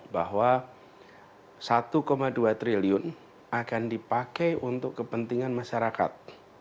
bahwa rp satu dua triliun akan dipakai untuk kepentingan masyarakat